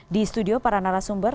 di studio para narasumber